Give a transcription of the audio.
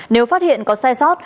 nếu phát hiện có sai sót